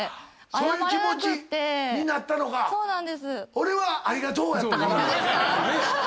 俺は「ありがとう」やったから。